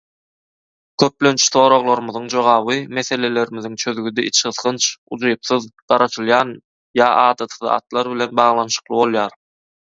Köplenç, soraglarymyzyň jogaby, meselelerimiziň çözgüdi içgysgynç, ujypsyz, garaşylýan ýa adaty zatlar bilen baglanyşykly bolýar.